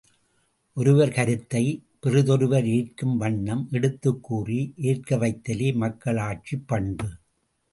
ஒருவர் கருத்தைப் பிறிதொருவர் ஏற்கும் வண்ணம் எடுத்துக்கூறி ஏற்கவைத்தலே மக்களாட்சிப் பண்பு.